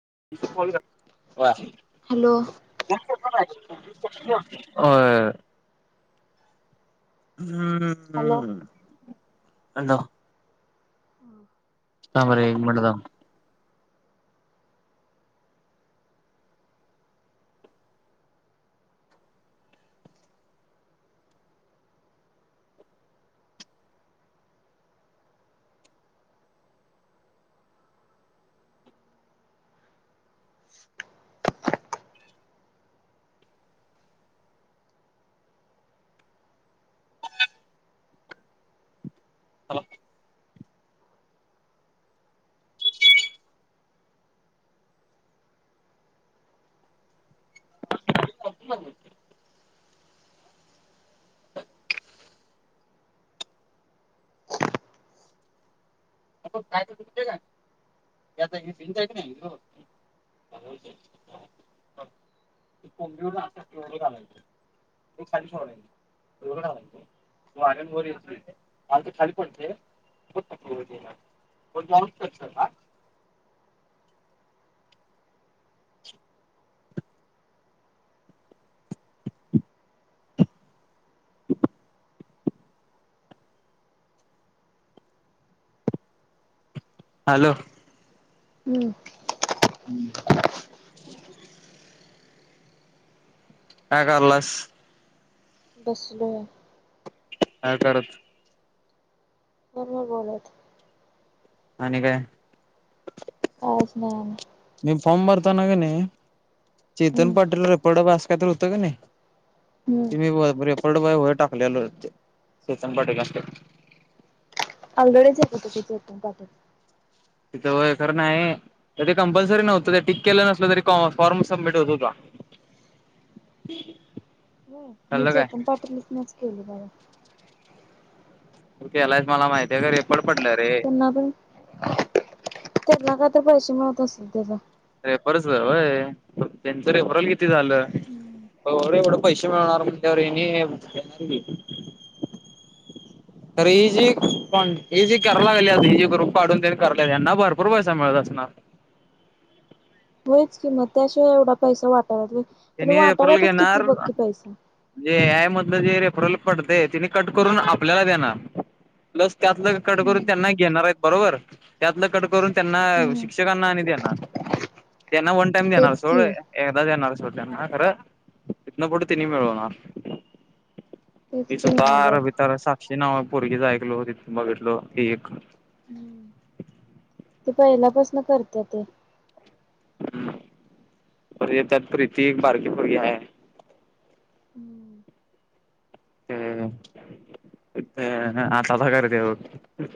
[unintelligible] [unintelligible] होय. Hello. Hello हम्म. Hello. थांब रे एक मिनिट थांब. [inaudible] [inaudible] [inaudible] [inaudible] [inaudible] हॅलो? हम्म. हम्म. काय करायलास? बसलोय. काय करत? फोन वर बोलत. आणि काय? कायच नाही आम्ही. असताना कणी चेतन हम्म. पाटील रेपड ब अस कायतर होत कणी? तुम्ही हम्म [unintelligible] ड वर टाकलल चेतन पाटील अस. गडेच होत ते चेतन पाटील. तिथं व्हय खर नाही तर ते कंपल्सरी नव्हत ते टीक केलं नसल तरी फॉर्म सबमिट होत होता. मी कळलं काय चेतन पाटील नाच केलं. हा. तू केलायस मला माहिती आहे रेपड पडल रे. तेना काय तर पैसे मिळत असतील त्याच. रेफरच वय त्यांच रेफरल किती झालं? एवढं पैसे मिळणार म्हणल्यावर हेनी देणार की. अरे ही जी पण ही जी कराय लागल्यात ही जी ग्रुप काढून त्यांनी कराल्यात यांना भरपूर पैसा मिळत असणार. होयच की म त्या शिवाय एवढा पैसा वाटत ल्यात व्हय. तेनी त्यांनी रेफरल वाटाल्यातच किती बग की पैसा. मधल जे रेप्रल पडतय तिनी कट करून आपल्याला देणार. प्लस त्यात कट करून हम्म त्यांना घेणार आहेत बरोबर त्यातलं कट करून त्यांना हम्म शिक्षकांना आणि देणार. त्यांना वन टाइम देणार तेच सोड की एकदा देणार सोड त्यांना खरं इतन फूड तिनी मिळवनार. तेच ती की म्हणालोय सुतार- बितार साक्षी नाव पोरगीच ऐकलो तिथ बघितलो ती एक. ती पहिल्यापासन करत्या ते. त्यात प्रीती एक बारकी पोरगी हाय. हम्म हम हाताला करतीया बग.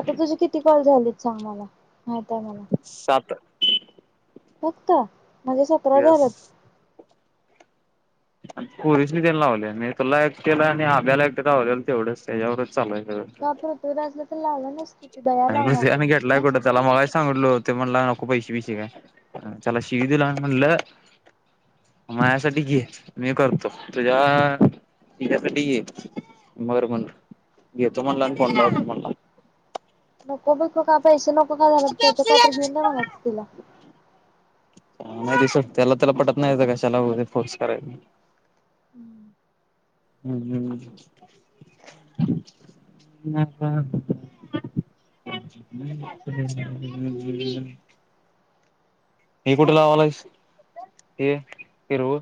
आता तुझी किती कॉल झालीत? सांग मला. माहिती हाय मला. ठीक [unintelligible] फक्त. माझे सतरा झालेत. पोरीसनी त्यां लावले, मी तुला एकट केलं, आणि आब्याला एकटे आवलेलं तेवढंच त्याच्यावर. चालय [unintelligible] कल्याून. अ घेतटलाय कुठं त्याला मला सांगल. म्हणला नको पैसे बी श का चला शिक दिला. लं. माझ्यासाठी घे मी करतो, तुझ्या तिज्यासाठी घे बर म्हणला घेतो म्हणला आणि फोन लावतो म्हणला. [unintelligible] को बिको काय पैसे नको [unintelligible] त्याचं कायतर घेऊन द्या म्हणाव तिला. नाही ते सोड त्याला त्याला पटत नाही तर कशाला वगैरे फोर्स करायचा. हम्म हम्म. [unintelligible] हे कुठे लावालायस? हे हिरवं?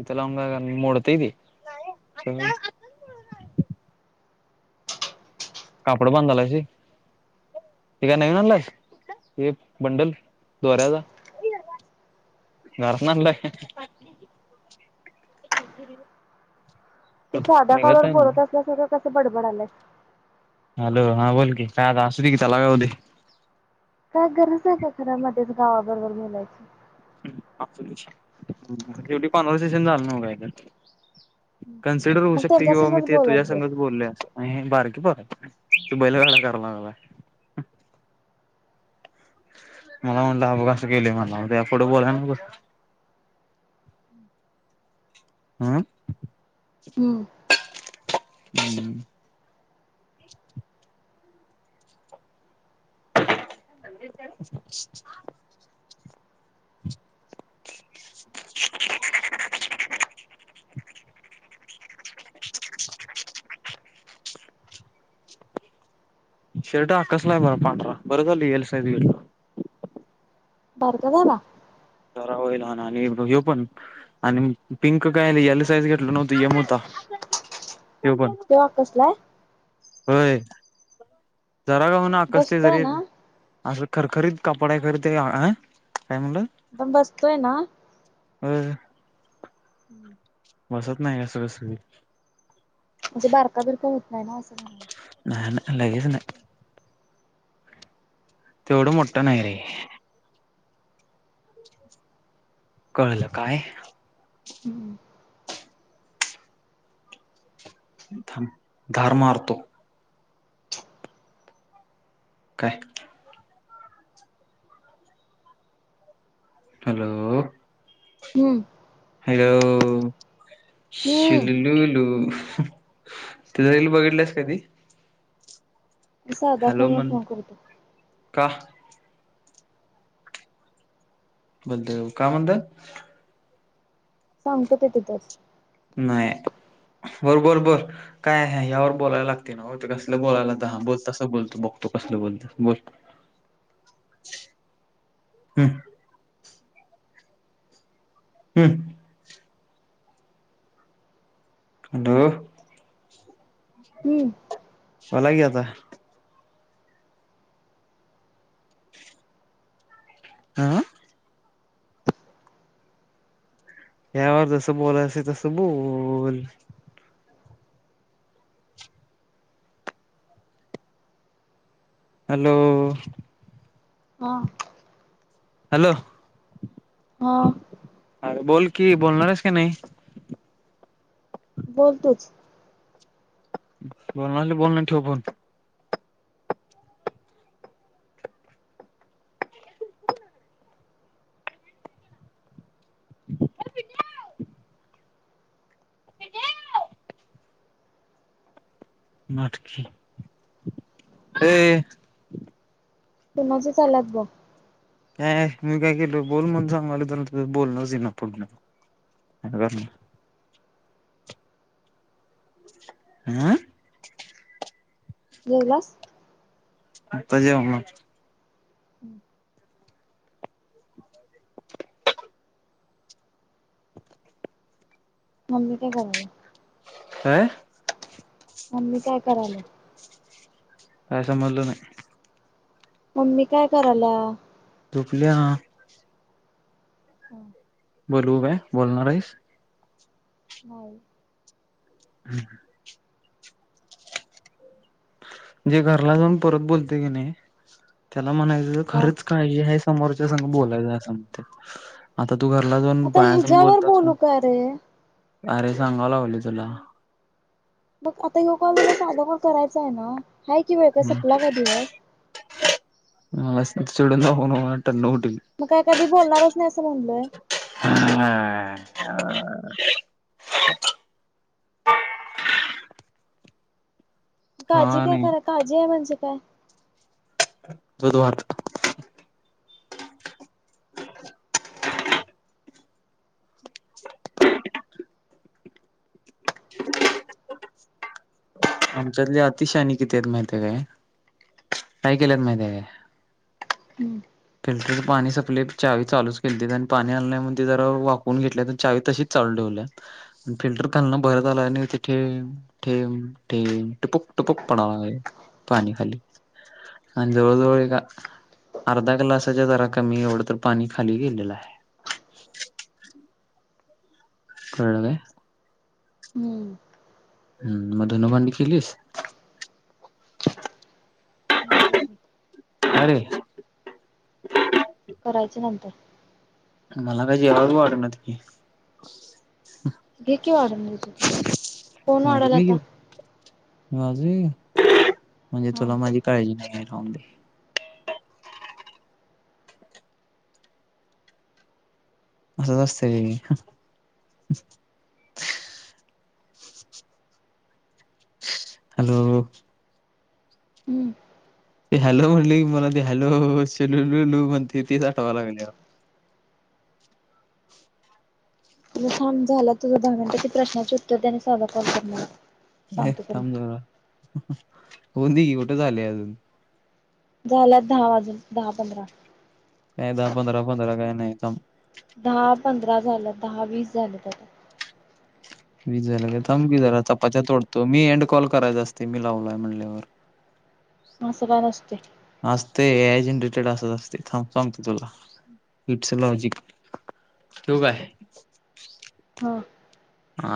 इथला लावून काय कर मोडतंय ते [unintelligible] कापड बांधालायस होय? हे काय नवीन आणलायस? [unintelligible] हे बंडल दोऱ्याचा घरातन आणलायस. तू साधा कॉलवर बोलत असला [unintelligible] बडबडालाय. हॅलो हां बोल की काय आता असू दे की त्याला काय होतंय? काय गरज आहे का खरं मधेच गावाबरोबर बोलायचं? हम्म असुदे हम्म शेवटी काँवर्सेशन झालं ना कायतर. कन्सिडर होऊ मग शकतंय की बाबा मी त्यांच्यासंगच ते बोलत बस. तुझ्यासंगच बोललोय असं आणि हे बारकी पोरं आहेत ना. [unintelligible] लागलाय. मला म्हणला अ बघा कसं केलेयं म्हणला, या पुुढे बोलणार कसं? अह. हम्म [unintelligible] ह ह. [unintelligible] [unintelligible] शर्ट आकसलायं बघा पांढरा बर झालं, एल साईज लिलो. बारका झाला? जरा होय लहान आणि हो पण आणि पिंक काय एल साइज घ घेतलो नव्हतो, एम होता. [unintelligible] झालं की. त्यो आकसलाय? होय. जरा का हुना आकसतयं बसतोय जरी ना अस खर खरीद कापडा हाय खरं ते आ पण बसतोय ना? अ [unintelligible] बसत नाही ग सगळ [unintelligible] म्हणजे बारका बिरका होत नाही ना, असं म्हणायचं. नाही नाही लगेच नाही तेवढं मोठं नाही रे कळलं काय? हम्म. थांब धार मारतो. काय? हॅलो? हम्म. हॅलो? हम्म शिल्लू लू हंम त्याच रील बघितलंस कधी तु साधा हॅलो फोन च म्हण नको करू तु का बलदेव काय म्हणतंय सांगतो ते तिथच नाही बर बर बर काय आहे ह्यावर बोलायला लागतय न्हव ते कसल बोलायला तर ह बोल तस बोलतो बघतो कसल बोलत बोल हम् हम्म हॅलो हम्म [inaudible] बोला की आता आह यावर जसं बोलायचं असतय तसं बोल हॅलो हा. हॅलो हा. अरे बोल कि बोलणार आहेस की नाही. बोल तूच बोलणार बोल नाही तर ठेव फोन [inaudible] नाटकी ए कोणाच झाल्यात बग ऐ मी काय केलो बोल म्हनून सांगालोय तर बोलणच येइना पुढण आता काय सांगणार अम जेवलास आता जेवनार हम्म्म [inaudible] ममी काय करालिया आं मम्मी काय करालिया? काय समजलं नाही मम्मी काय करायला झोपलीया. हम बोलऊ काय बोलणार आहेस. नाही हम् जे घरला जाऊन परत बोलतय की नाय त्यात त्याला म्हणायचं काय खरंच काळी हायस समोरच्या संघ बोलाय सांगतात. आता तू घरला जाऊन आता बायासंग हिच्या्यावर बोलतास बोलू का रे अरे सांगा लागलोय तुला मग आता ह्यो काय झालं साधं कॉल करायचं आहे ना? हाय की वेळ काय सपला काय दिवस? मला चिडून दाखवू नको टन उठील मग काय कधी बोलणारच नाही असं म्हणलोय. [inaudible] हा काळजी घे नाही खरं काळजी आहे म्हणजे काय? बुधवार [inaudible] आमच्यातले अतीशहाणी किती आहेत माहिती आहे काय? काय केल्यात माहिती आहे काय? हम्म फिल्टरच पाणी सपलय चावी चालूच केलतीत आणि पाणी आलं नाही म्हणून ते जरा वाकवून घेतल्यात आणि चावी तशीच चालू ठेवल्यात. आणि फिल्टर खालनं भरत आलंय आणि तेे थेंब थेंब थेंब टुपूक टुपूक पडाय लागलंय पाणी खाली, आणि जवळ जवळ एक अर्धा ग्लासाच्या जरा कमी एवढं तर पाणी खाली गेलेलं आहे. कळलं काय? हम्म. हम्म म धुणभांडी केलीस? नाही अजुन. का रे? करायचे नंतर मला काय जेवायला, बी वाढनात की? घे की, वाढून तुज तू कोण वाढल आता. दे ये. म्हणजे, हा तुला माझी काळजी नाही आहे. जाऊदे असंच असतयं. हॅलो! हम्म ते हॅलो! म्हणले की मला ते हॅलो! शुलुलूलू म्हणतयं तेच आठवाय लागलयं आता. थांब झालेत, तुझं दहा मिनिट प्रश्नाचे उत्तर दे आणि साधा कॉल कर मला. ए सांगतो तुला. थांब जरा होऊ देल की, कुठ झालंय अजुन? झाल्यात दहा वाजून दहा पंधरा. काय दहा पंधरा- पंधरा काय नाही, थांब. दहा पंधरा झाल्यात दहा, वीस झालंत, आता. वीस झालं काय थांब की जरा, चपाच्या तोडतो मी एंड कॉल करायचा असतंय, मी लावलयं म्हणल्यावर. असं काय नसतंय. असतयं ए आय जनरेटर असचं असतयं थांब सांगतो तुला, इट्स लॉजिक ठेवू काय? हा. हा.